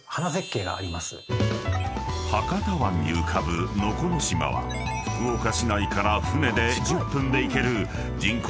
［博多湾に浮かぶ能古島は福岡市内から船で１０分で行ける人口